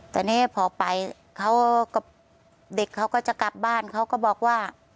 แต่นี่พอไปเขากับเด็กเขาก็จะกลับบ้านเขาก็บอกว่า